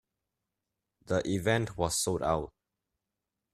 The event was sold out.